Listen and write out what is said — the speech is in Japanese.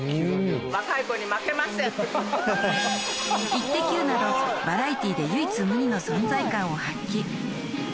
『イッテＱ！』などバラエティで唯一無二の存在感を発揮